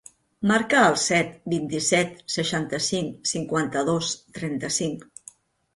Marca el set, vint-i-set, seixanta-cinc, cinquanta-dos, trenta-cinc.